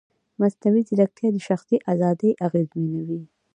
مصنوعي ځیرکتیا د شخصي ازادۍ اغېزمنوي.